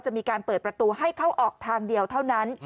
จะมีการเปิดประตูให้เข้าออกทางเดียวเท่านั้น